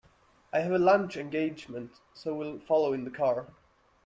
I have a lunch engagement, so will follow in the car.